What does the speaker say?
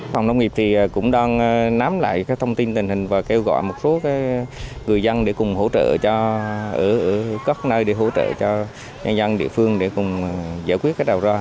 phòng nông nghiệp cũng đang nắm lại thông tin tình hình và kêu gọi một số người dân để cùng hỗ trợ cho nhân dân địa phương để cùng giải quyết đào ra